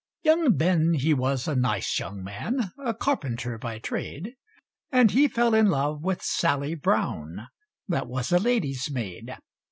Young Ben he was a nice young man, A carpenter by trade; And he fell in love with Sally Brown, That was a lady's maid.